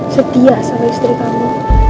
setia sama istri kamu